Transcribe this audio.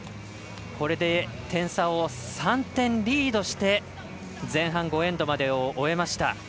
これで点差を３点リードして前半５エンドまでを終えました。